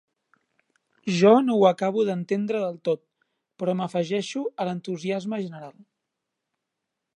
Jo no ho acabo d'entendre del tot, però m'afegeixo a l'entusiasme general.